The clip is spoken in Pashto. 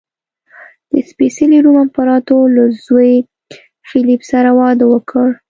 د سپېڅلي روم امپراتور له زوی فلیپ سره واده وکړ.